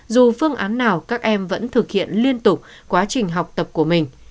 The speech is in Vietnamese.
dù phương án nào các em vẫn thực hiện liên tục quá trình học tập của mình